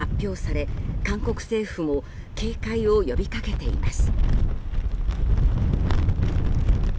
台風警報が発表され韓国政府も警戒を呼びかけています。